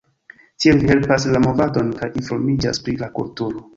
Tiel vi helpas la movadon kaj informiĝas pri la kulturo.